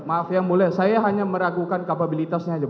maaf yang boleh saya hanya meragukan kapabilitasnya